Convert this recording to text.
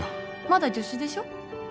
まだ助手でしょ？